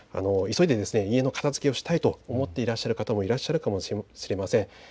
急いで家の片づけをしたいと思っていらっしゃる方もいらっしゃるかもしれません。